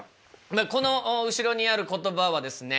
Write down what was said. この後ろにある言葉はですね